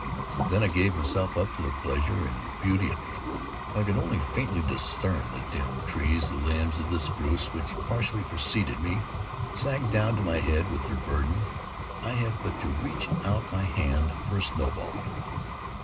Then I gave myself up to the pleasure and beauty of it. I could only faintly discern the dim trees; the limbs of the spruce, which partially protected me, sagged down to my head with their burden; I had but to reach out my hand for a snowball.